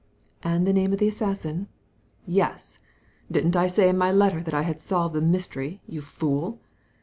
*' And the name of the assassin ?" "Yes ! Didn't I say in my letter that I had solved the mystery, you fool